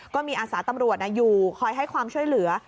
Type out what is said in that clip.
ก็มีอาสาตำรวจอยู่คอยให้ความช่วยเหลือ